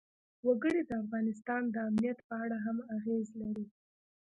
وګړي د افغانستان د امنیت په اړه هم اغېز لري.